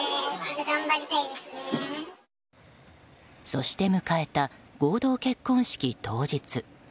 そして迎えた合同結婚式当日。